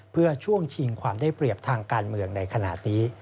เพื่อช่วงชิงความได้เปรียบทางการเมืองในขณะนี้